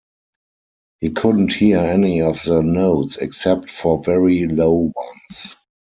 He couldn't hear any of the notes except for very low ones.